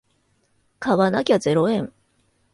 買わなきゃゼロ円